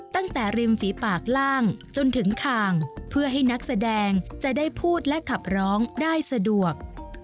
ตั้งแต่ริมฝีปากล่างจนถึงคางเพื่อให้นักแสดงจะได้พูดและขับร้องได้สะดวก